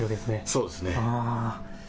そうですね。